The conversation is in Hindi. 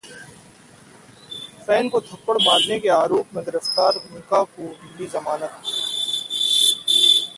फैन को थप्पड़ मारने के आरोप में गिरफ्तार मीका को मिली जमानत